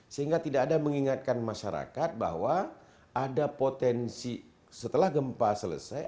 sehingga tidak ada mengingatkan masyarakat bahwa ada potensi setelah gempa selesai